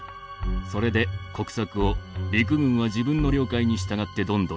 それで国策を陸軍は自分の了解に従ってどんどんやる。